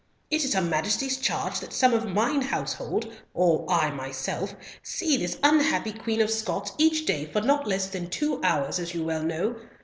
"It is her Majesty's charge that some of mine household, or I myself, see this unhappy Queen of Scots each day for not less than two hours, as you well know.